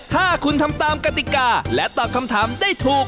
ถ้าคุณทำตามกติกาและตอบคำถามได้ถูก